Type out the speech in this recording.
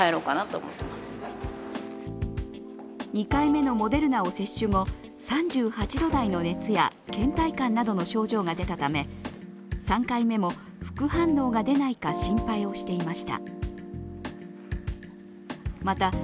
２回目のモデルナを接種後、３８度台の熱やけん怠感などの症状が出たため３回目も副反応が出ないか心配をしていました。